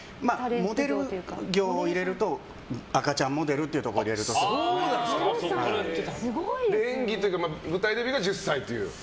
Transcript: モデル業を入れると赤ちゃんモデルを入れると演技というか舞台デビューが１０歳という。